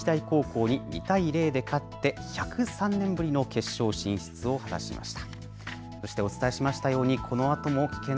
神奈川の慶応高校が茨城の土浦日大高校に２対０で勝って１０３年ぶりの決勝進出を果たしました。